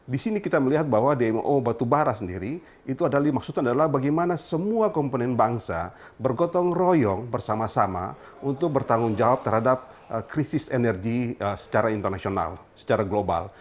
di sini kita melihat bahwa dmo batubara sendiri itu adalah maksudnya adalah bagaimana semua komponen bangsa bergotong royong bersama sama untuk bertanggung jawab terhadap krisis energi secara internasional secara global